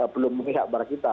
belum mengihak kepada kita